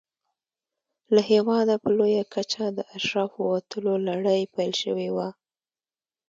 له هېواده په لویه کچه د اشرافو وتلو لړۍ پیل شوې وه.